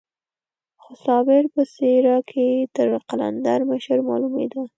خو صابر په څېره کې تر قلندر مشر معلومېده.